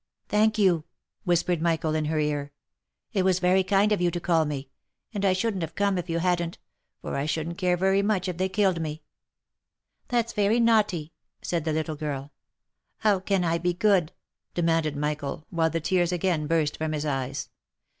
" Thank you !" whispered Michael in her ear, " It was very kind of you to call me — and I shouldn't have come if you hadn't — for I shouldn't care very much if they killed me." " That's very naughty !" said the little girl. " How can I be good?" demanded Michael, while the tears again burst from his eyes.